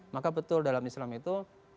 maka betul dalam islam itu